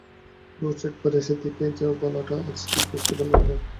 রোজ একবার এসে দেখিয়ে যেও গলাটা, আজ ঠিক বুঝতে পারলাম না।